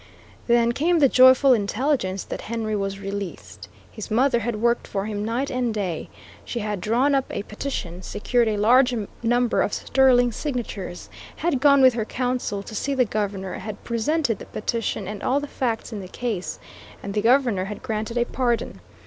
Then came the joyful intelligence that Henry was released. His mother had worked for him night and day. She bad drawn up a petition, secured a large number of sterling signatures, had gone with her counsel to see the Governor, had presented the petition and all the facts in the case, and the Governor had granted a pardon.